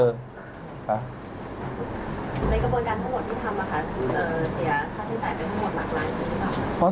ในกระบวนการทั้งหมดที่ทำแล้วค่ะคุณจะเสียค่าใช้จ่ายไปทั้งหมดหลักล้างใช่ไหมครับ